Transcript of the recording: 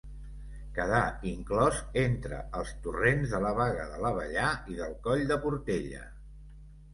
Queda inclòs entre els torrents de la Baga de l'Abellar i del Coll de Portella.